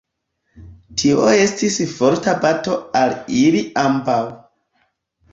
Tio estis forta bato al ili ambaŭ.